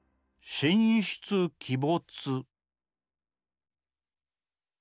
「神出鬼没」。